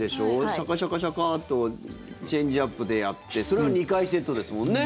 シャカシャカシャカッとチェンジアップでやってそれを２回セットですもんね？